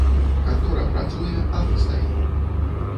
Кантора працуе, а мы стаім.